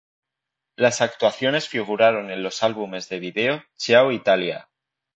Las actuaciones figuraron en los álbumes de vídeo "Ciao, Italia!